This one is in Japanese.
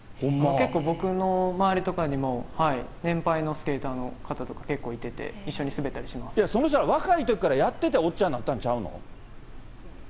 結構僕の周りでも、年配のスケーターの方とか結構いてて、その人ら、若いときからやってて、おっちゃんになったんちゃうの？